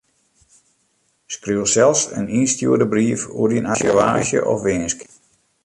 Skriuw sels in ynstjoerde brief oer dyn argewaasje of winsk.